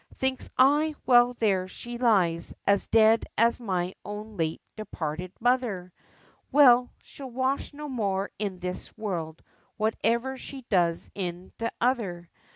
Thinks I, well there she lies, as dead as my own late departed mother, Well, she'll wash no more in this world, whatever she does in t'other.